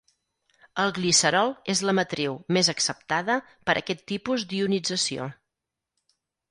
El glicerol és la matriu més acceptada per aquest tipus d'ionització.